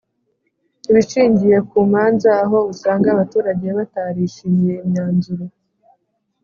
ibishingiye ku manza aho usanga abaturage batarishimiye imyanzuro